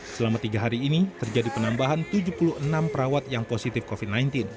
selama tiga hari ini terjadi penambahan tujuh puluh enam perawat yang positif covid sembilan belas